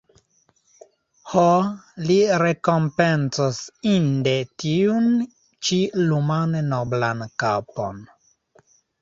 Ho, li rekompencos inde tiun ĉi luman noblan kapon!